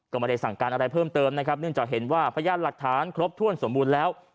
ก็ไม่ได้สั่งการอะไรเพิ่มเติมนะครับเนื่องจากเห็นว่าพยานหลักฐานครบถ้วนสมบูรณ์แล้ว